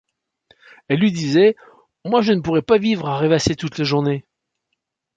Elle lui disait: — Moi, je ne pourrais pas vivre à rêvasser toute la journée.